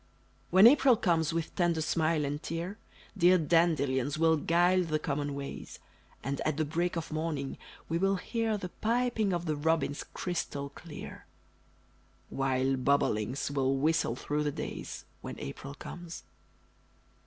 When April comes with tender smile and tear, Dear dandelions will gild the common ways, And at the break of morning we will hear The piping of the robins crystal clear While bobolinks will whistle through the days, When April comes!